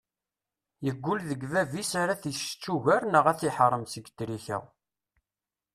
Yeggul deg bab-is ar ad t-issečč ugar neɣ ad t-iḥeṛṛem seg trika.